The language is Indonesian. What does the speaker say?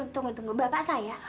tunggu tunggu bapak saya